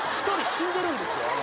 死んでるんですよ